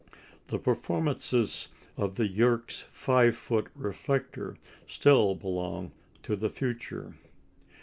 The performances of the Yerkes 5 foot reflector still belong to the future.